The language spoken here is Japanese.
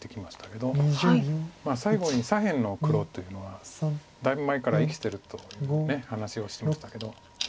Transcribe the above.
最後に左辺の黒というのはだいぶん前から生きてるという話をしましたけど。